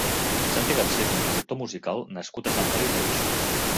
Santi Garcia és un productor musical nascut a Sant Feliu de Guíxols.